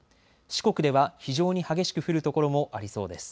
四国では非常に激しく降る所もありそうです。